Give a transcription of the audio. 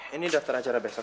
ini daftar acara besok